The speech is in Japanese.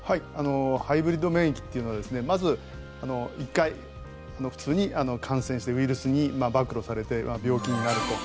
ハイブリッド免疫というのはまず、１回普通に感染してウイルスに暴露されて病気になると。